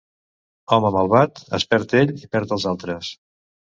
Home malvat, es perd ell i perd els altres.